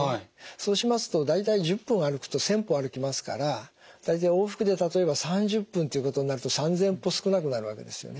そうしますと大体１０分歩くと１，０００歩歩きますから大体往復で例えば３０分ということになると３，０００歩少なくなるわけですよね。